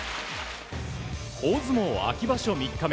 大相撲秋場所３日目。